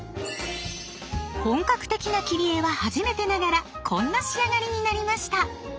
本格的な切り絵は初めてながらこんな仕上がりになりました。